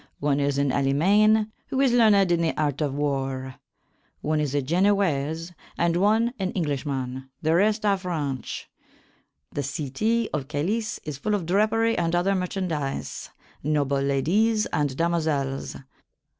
One is an Alleymayne, who is learned in the art of warre, one is a Genowayes, and one an Englysshman, the rest are Frenche. The cytie of Calys is full of drapery and other merchauntdyse, noble ladyes and damosels.